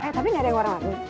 eh tapi nggak ada yang warna mati